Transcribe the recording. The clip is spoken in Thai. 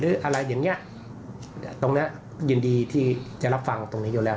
อะไรอย่างเงี้ยตรงเนี้ยยินดีที่จะรับฟังตรงนี้อยู่แล้ว